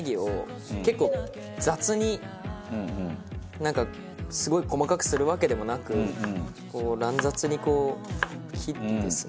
なんかすごい細かくするわけでもなくこう乱雑に切ってですね。